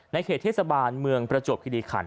เขตเทศบาลเมืองประจวบคิริขัน